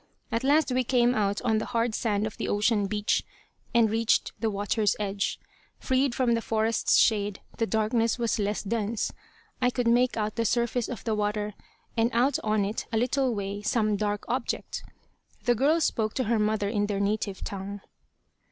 At last we came out on the hard sand of the ocean beach, and reached the water's edge. Freed from the forest's shade the darkness was less dense. I could make out the surface of the water, and out on it a little way some dark object. The girl spoke to her mother in their native tongue.